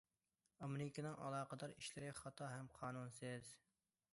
ئامېرىكىنىڭ ئالاقىدار ئىشلىرى خاتا ھەم قانۇنسىز.